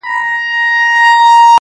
غواړم د پېړۍ لپاره مست جام د نشیې .